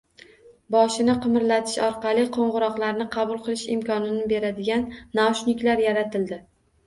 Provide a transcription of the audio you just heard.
Boshni qimirlatish orqali qo‘ng‘iroqlarni qabul qilish imkonini beradigan naushniklar yaratildi